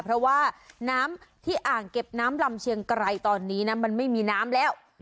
เพราะว่าน้ำที่อ่างเก็บน้ำลำเชียงไกรตอนนี้นะมันไม่มีน้ำแล้ว